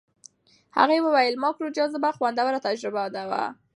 هغې وویل ماکرو جاذبه خوندور تجربه وه.